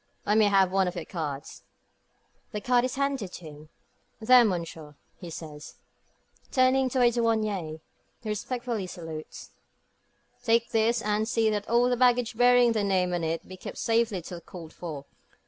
"Let me have one of your cards." The card is handed to him. "There, Monsieur," he says, turning to a douanier, who respectfully salutes, "take this, and see that all the baggage bearing the name on it be kept safely till called for.